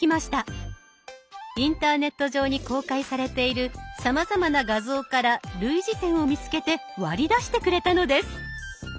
インターネット上に公開されているさまざまな画像から類似点を見つけて割り出してくれたのです。